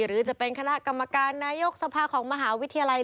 หรือจะเป็นคณะกรรมการนายกสภาของมหาวิทยาลัย